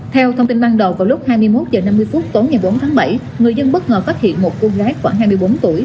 theo thông tin ban đầu vào lúc hai mươi một h năm mươi tối ngày bốn tháng bảy người dân bất ngờ phát hiện một cô rát khoảng hai mươi bốn tuổi